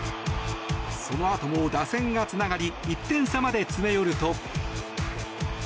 そのあとも打線がつながり１点差まで詰め寄ると。